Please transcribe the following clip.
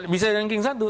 bisa ranking satu